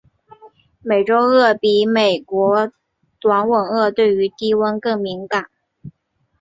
美洲鳄比美国短吻鳄对于低温更敏感。